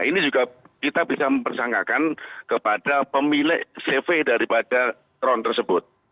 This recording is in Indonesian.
ini juga kita bisa mempersangkakan kepada pemilik cv daripada drone tersebut